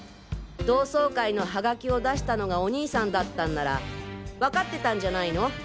同窓会のハガキを出したのがお兄さんだったんならわかってたんじゃないの？